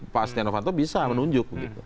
pak stiano fanto bisa menunjuk